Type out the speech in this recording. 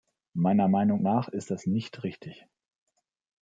Meiner Meinung nach ist das nicht richtig.